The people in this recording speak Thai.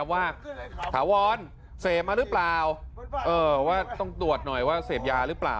ถาวรเสพมาหรือเปล่าว่าต้องตรวจหน่อยว่าเสพยาหรือเปล่า